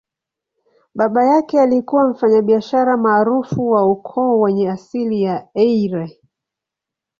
Baba yake alikuwa mfanyabiashara maarufu wa ukoo wenye asili ya Eire.